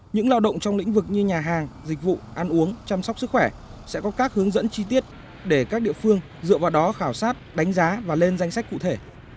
những lao động trong lĩnh vực như nhà hàng dịch vụ ăn uống chăm sóc sức khỏe sẽ có các hướng dẫn chi tiết để các địa phương dựa vào đó khảo sát đánh giá và lên danh sách cụ thể